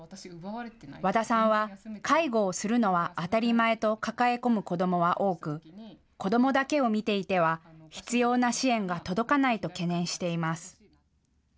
和田さんは介護をするのは当たり前と抱え込む子どもは多く子どもだけを見ていては必要な支援が届かないと懸念しています。